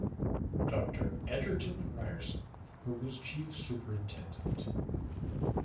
Doctor Egerton Ryerson, who was Chief Superintendent.